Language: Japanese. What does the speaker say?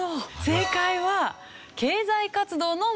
正解は。